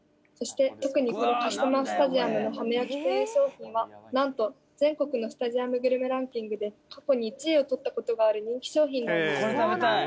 そして特にこの鹿島スタジアムのハム焼きという商品はなんと全国のスタジアムグルメランキングで過去に１位を取ったことがある人気商品なんです。